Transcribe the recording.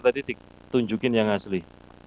tadi ditunjukkan yang asli